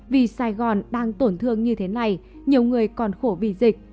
vì sài gòn đang tổn thương như thế này nhiều người còn khổ vì dịch